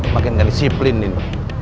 makin gak disiplin ini